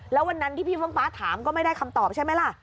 แล้ววันนั้นที่พี่เฟื้องฟ้าถามก็ไม่ได้คำตอบใช่ไหมล่ะ